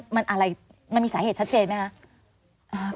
มันมีสาเหตุชัดเจนไหมคะ